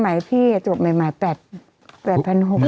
สมัยพี่จบแหน่งหมายาว๘๖๐๐